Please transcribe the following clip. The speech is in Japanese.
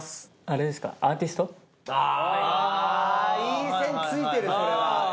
いい線ついてるそれは。